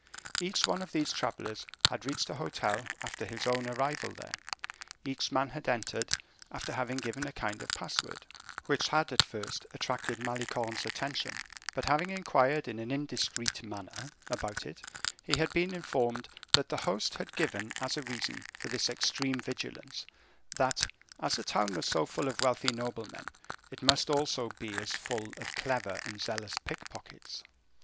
Every one of these travelers had reached the hotel after his own arrival there; each man had entered after having given a kind of password, which had at first attracted Malicorne's attention; but having inquired, in an indiscreet manner, about it, he had been informed that the host had given as a reason for this extreme vigilance, that, as the town was so full of wealthy noblemen, it must also be as full of clever and zealous pickpockets.